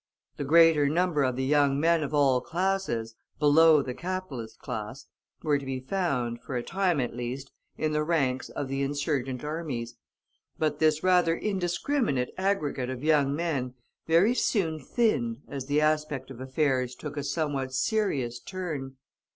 The greater number of the young men of all classes, below the capitalist class, were to be found, for a time at least, in the ranks of the insurgent armies, but this rather indiscriminate aggregate of young men very soon thinned as the aspect of affairs took a somewhat serious turn.